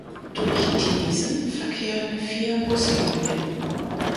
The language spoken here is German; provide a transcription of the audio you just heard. Durch Theesen verkehren vier Buslinien.